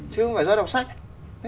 chứ không phải do đọc sách